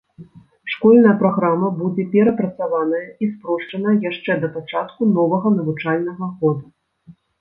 Школьная праграма будзе перапрацаваная і спрошчаная яшчэ да пачатку новага навучальнага года.